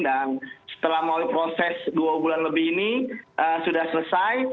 dan setelah proses dua bulan lebih ini sudah selesai